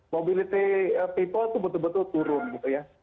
mobility people itu betul betul turun gitu ya